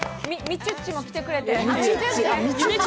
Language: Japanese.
みちゅっちも来てくれた。